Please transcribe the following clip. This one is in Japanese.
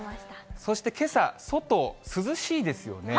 そしてけさ、外、涼しいですよね。